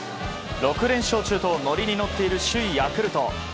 ６連勝中と乗りに乗っている首位ヤクルト。